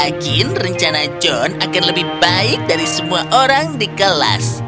saya yakin rencana john akan lebih baik dari semua orang di kelas